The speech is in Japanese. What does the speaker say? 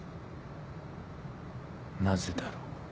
なぜだろう？